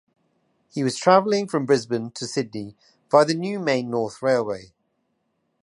He was travelling from Brisbane to Sydney, via the new Main North railway.